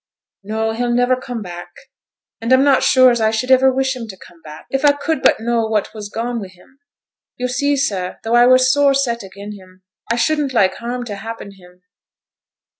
'No; he'll niver come back. And I'm not sure as I should iver wish him t' come back, if I could but know what was gone wi' him. Yo' see, sir, though I were sore set again' him, I shouldn't like harm to happen him.'